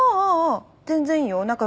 全然いいよ。